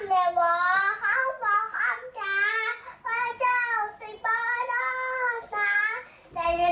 ลืมแต่ว่าสัญญาขี่ช้องเขาเคยว่าอยู่กันไว้